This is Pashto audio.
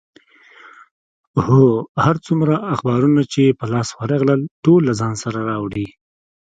هر څومره اخبارونه چې په لاس ورغلل، ټول له ځان سره راوړي.